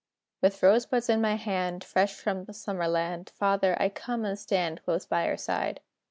] With rosebuds in my hand, Fresh from the Summer land, Father, I come and stand Close by your side.